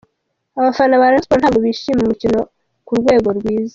Abafana ba Rayon Sports ntabwo bishimiye umukino ku rwego rwiza.